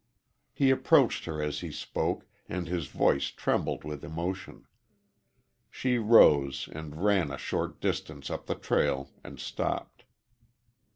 He approached her as he spoke and his voice trembled with emotion. She rose and ran a short distance up the trail and stopped.